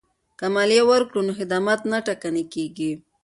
که مالیه ورکړو نو خدمات نه ټکنی کیږي.